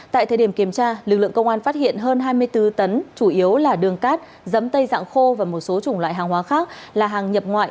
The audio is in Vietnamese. tại thời điểm kiểm tra lực lượng công an phát hiện hơn hai mươi bốn tấn chủ yếu là đường cát dẫm tây dạng khô và một số chủng loại hàng hóa khác là hàng nhập ngoại